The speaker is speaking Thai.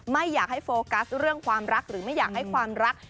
ไม่อยากให้โฟกัสเรื่องความรักหรือไม่อยากให้ความรัก